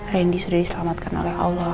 randy sudah diselamatkan oleh allah